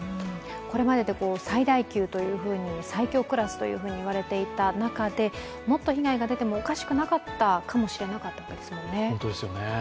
これまでで最大級、最強クラスと言われていた中で、もっと被害が出てもおかしくなかったかもしれなかったですよね。